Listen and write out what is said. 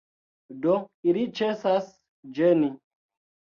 Do ili ĉesas ĝeni.